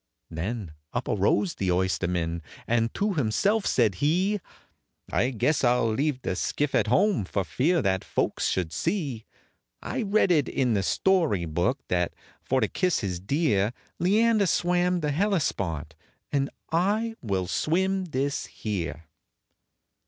Then up arose the oysterman, and to himself said he, "I guess I 'll leave the skiff at home, for fear that folks should see I read it in the story book, that, for to kiss his dear, Leander swam the Hellespont, and I will swim this here."